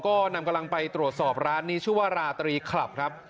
ก็นำกำลังไปตรวจสอบร้านนี้ชื่อว่าราตรีคลับครับ